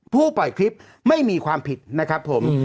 ปล่อยคลิปไม่มีความผิดนะครับผม